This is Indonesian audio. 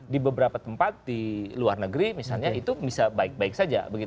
di beberapa tempat di luar negeri misalnya itu bisa baik baik saja